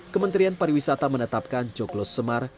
kementerian pariwisata menetapkan joglos semar